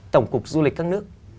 tổng cục du lịch các nước